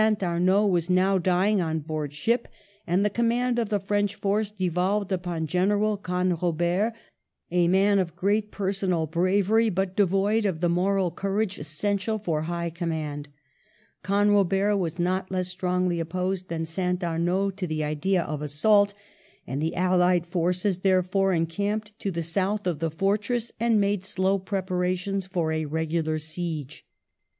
Arnaud was now dying on board ship,^ and the command of the Fi ench force devolved upon General Canrobert, a man of great personal bravery, but devoid of the moral courage essential for high command. Canrobert was not less strongly opposed than St. Aniaud to the idea of assault, and the allied forces, therefore, encamped to the south of the fortress, and made slow preparations for a regular siege.